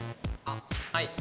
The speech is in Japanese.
はい。